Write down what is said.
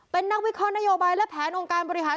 เป็นนักวิเคราะห์นโยบายและแผนองค์การบริหาร